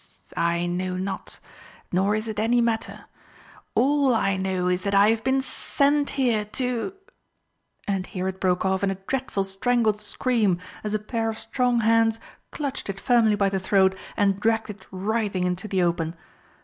I know not nor is it any matter. All I know is that I have been sent here to " and here it broke off in a dreadful strangled scream as a pair of strong hands clutched it firmly by the throat and dragged it writhing into the open.